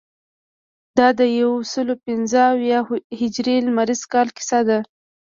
دا د یوسلو پنځه اویا هجري لمریز کال کیسه ده.